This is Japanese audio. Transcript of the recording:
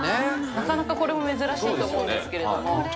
なかなかこれも珍しいと思うんですけども。